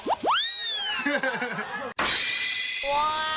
อ้าว